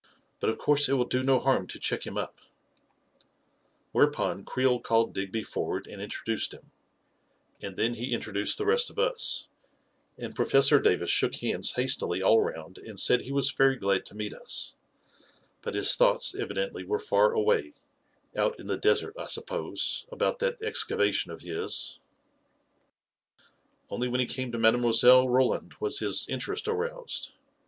" But of course it will do no harm to check him up/ 9 Whereupon Creel called Digby forward and intro duced him; and then he introduced the rest of us, and Professor Davis shook hands hastily all around and said he was very glad to meet us; but his thoughts evidently were far away — out in the desert, I suppose, about that excavation of his ... Only when he came to Mile. Roland was his in terest aroused.